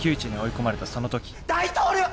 大統領。